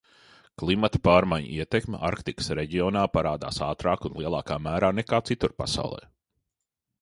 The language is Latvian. Klimata pārmaiņu ietekme Arktikas reģionā parādās ātrāk un lielākā mērā nekā citur pasaulē.